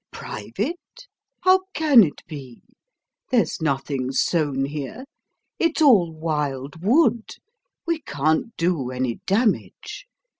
"Private? How can it be? There's nothing sown here. It's all wild wood; we can't do any damage.